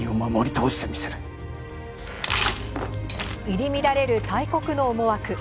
入り乱れる大国の思惑。